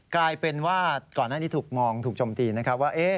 กลายเป็นว่าก่อนหน้านี้ถูกมองถูกจมตีนะครับว่า